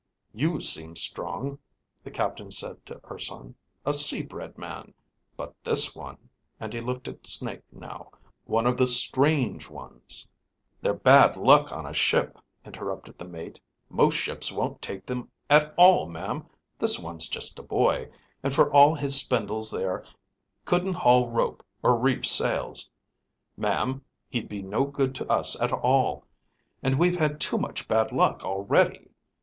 "You seem strong," the captain said to Urson, "a sea bred man. But this one," and he looked at Snake now, "one of the Strange Ones...." "They're bad luck on a ship," interrupted the mate. "Most ships won't take them at all, ma'am. This one's just a boy, and for all his spindles there, couldn't haul rope or reef sails. Ma'am, he'd be no good to us at all. And we've had too much bad luck already."